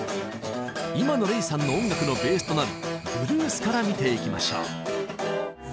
今のＲｅｉさんの音楽のベースとなるブルースから見ていきましょう。